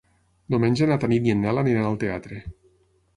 Diumenge na Tanit i en Nel aniran al teatre.